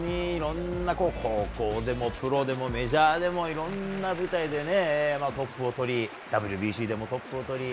高校でもプロでもメジャーでもいろんな舞台でトップをとりＷＢＣでもトップをとり。